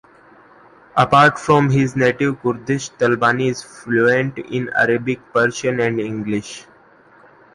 Apart from his native Kurdish, Talabani is fluent in Arabic, Persian, and English.